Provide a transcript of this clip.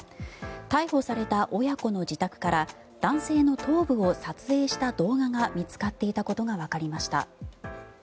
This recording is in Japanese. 逮捕された親子の自宅から男性の頭部を撮影した動画が見つかっていたことがわかりました。